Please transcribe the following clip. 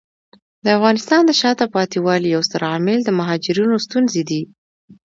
د افغانستان د شاته پاتې والي یو ستر عامل د مهاجرینو ستونزې دي.